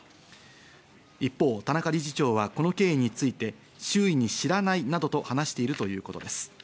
一方、田中理事長はこの経緯について周囲に知らないなどと話しているということです。